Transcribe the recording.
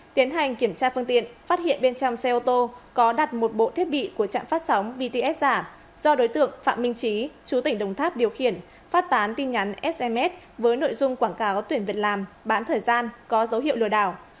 tiến hành kiểm tra phương tiện phát hiện bên trong xe ô tô có đặt một bộ thiết bị của trạm phát sóng bts giả do đối tượng phạm minh trí chú tỉnh đồng tháp điều khiển phát tán tin nhắn sms với nội dung quảng cáo tuyển việc làm bán thời gian có dấu hiệu lừa đảo